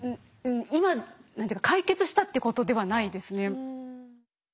今解決したってことではないですね。